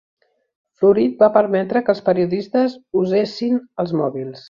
Florit va permetre que els periodistes usessin els mòbils